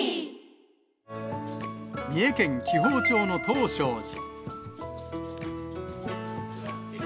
三重県紀宝町の東正寺。